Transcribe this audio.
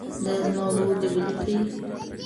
دا زما ورور دی ولیکئ.